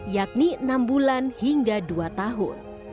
yakni enam bulan hingga dua tahun